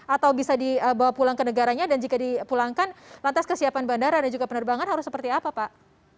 atau bisa dibawa pulang ke negaranya dan jika dipulangkan lantas kesiapan bandara dan juga penerbangan harus seperti apa pak